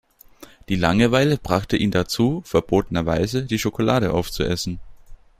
Die Langeweile brachte ihn dazu, verbotenerweise die Schokolade aufzuessen.